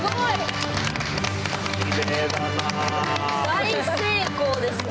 大成功ですね！